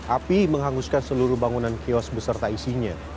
api menghanguskan seluruh bangunan kios beserta isinya